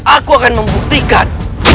aku akan membuktikan